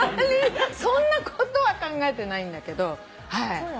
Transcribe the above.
そんなことは考えてないんだけど。